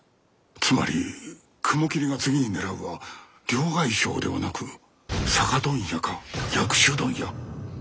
つまり雲霧が次に狙うは両替商ではなく酒問屋か薬種問屋。